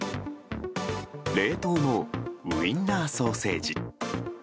冷凍のウィンナーソーセージ。